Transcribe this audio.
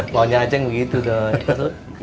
wawannya ceng begitu doi